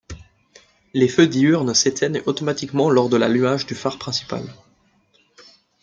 Les feux diurnes s'éteignent automatiquement lors de l'allumage du phare principal.